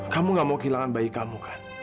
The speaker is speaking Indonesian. kamu gak mau kehilangan bayi kamu kan